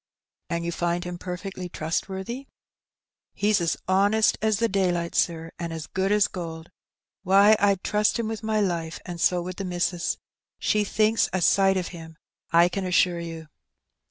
"And you find him perfectly trustworthy?'' "He's as honest as the daylight, sir, and as good as gold.. Why, I'd trust him with my life, and so would the missus. She thinks a sight of him, I can assure you."